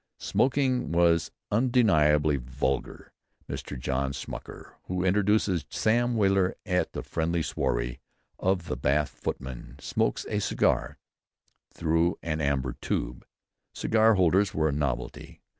Smoking was undeniably vulgar. Mr. John Smauker, who introduces Sam Weller at the "friendly swarry" of the Bath footmen, smokes a cigar "through an amber tube" cigar holders were a novelty.